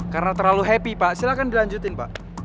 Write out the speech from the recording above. karena terlalu happy pak silahkan dilanjutin pak